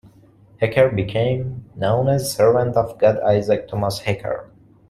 Hecker became known as Servant of God Isaac Thomas Hecker.